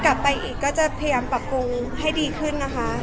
กลับไปอีกก็จะพยายามปรับปรุงให้ดีขึ้นนะคะ